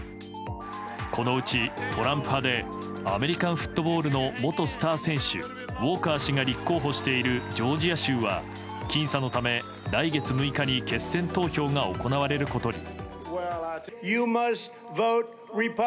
このうち、トランプ派でアメリカンフットボールの元スター選手ウォーカー氏が立候補しているジョージア州は僅差のため来月６日に決選投票が行われることに。